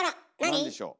何でしょう？